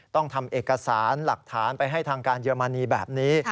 ต้องทำเอกสารหลักฐานไปให้ทางการเยอรมนีแบบนี้